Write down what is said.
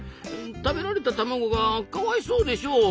食べられた卵がかわいそうでしょ！